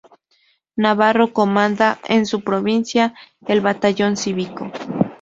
Navarro comandaba en su provincia el Batallón Cívico.